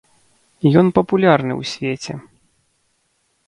Ён папулярны ў свеце.